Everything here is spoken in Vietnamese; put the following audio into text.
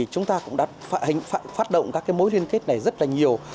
chúng ta cũng đã phát động các mối liên kết này rất là nhiều